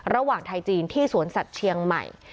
ระหว่างไทยจีนที่สวนสัตว์เชียงใหม่